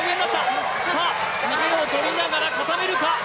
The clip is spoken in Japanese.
腕を取りながら固めるか。